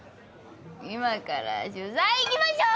今から取材行きましょー！